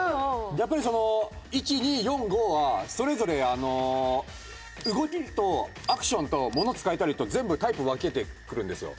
やっぱりその１２４５はそれぞれ動きとアクションと物使えたりと全部タイプ分けてくるんですよ。